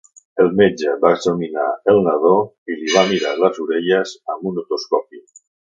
El metge va examinar el nadó i li va mirar les orelles amb un otoscopi.